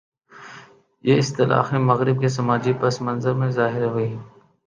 یہ اصطلاحیں مغرب کے سماجی پس منظر میں ظاہر ہوئیں۔